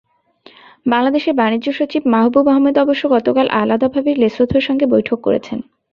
বাংলাদেশের বাণিজ্যসচিব মাহবুব আহমেদ অবশ্য গতকাল আলাদাভাবে লেসোথোর সঙ্গে বৈঠক করেছেন।